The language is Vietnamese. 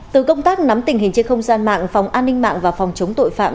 từ công tác nắm tình hình trên không gian mạng phòng an ninh mạng và phòng chống tội phạm